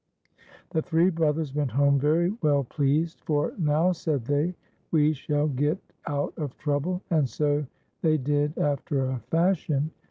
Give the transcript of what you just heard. The three brothers went home very well pleased, "for now," said they, "we shall get out of trouble;" and so they did after a fashion.